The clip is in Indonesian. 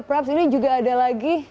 praps ini juga ada lagi